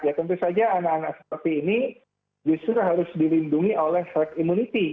ya tentu saja anak anak seperti ini justru harus dilindungi oleh herd immunity